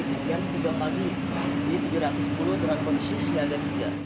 kepinggian tiga pagi di tujuh ratus sepuluh dengan kondisi siaga tiga